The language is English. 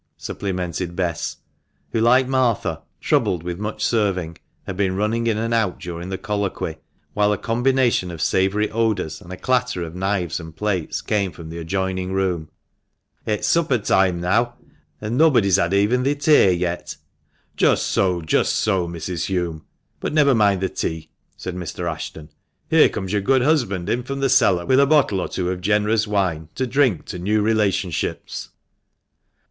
supplemented Bess, who, like Martha, troubled with much serving, had been running in and out during the colloquy, whilst a combination of savoury odours, and a clatter of knives and plates, came from the adjoining room ;" it's supper toime neaw, an' nobbody's had even theer tay yet." " Just so, just so, Mrs. Hulme. But never mind the tea," said Mr. Ashton ;" here comes your good husband in from the cellar, with a bottle or two of generous wine to drink to new relationships."